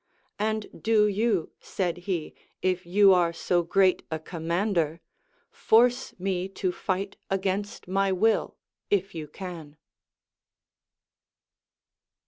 And do you, said he, if you are so great a commander, force me to fight against my will, if you can.